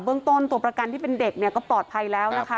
เรื่องต้นตัวประกันที่เป็นเด็กเนี่ยก็ปลอดภัยแล้วนะคะ